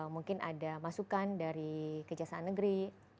mungkin ada masukan dari kejaksaan negeri